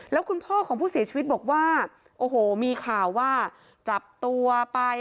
แล้วคุณพ่อของผู้เสียชีวิตบอกว่าโอ้โหมีข่าวว่าจับตัวไป